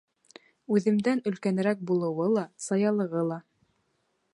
Үҙемдән өлкәнерәк булыуы ла, саялығы ла.